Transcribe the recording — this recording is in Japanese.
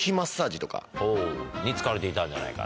ほうに使われていたんじゃないか。